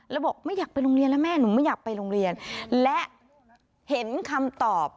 แล้วบอกไม่อยากไปโรงเรียนแล้วแม่หนูไม่อยากไปโรงเรียนและเห็นคำตอบ